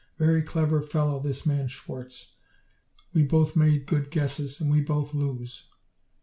Very clever fellow, this man Schwarz. We both made good guesses, and we both lose.